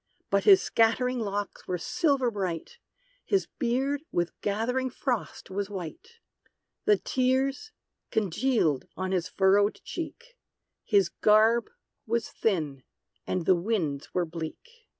But his scattering locks were silver bright, His beard with gathering frost was white; The tears congealed on his furrowed cheek, His garb was thin, and the winds were bleak.